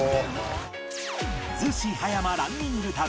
逗子葉山ランニング旅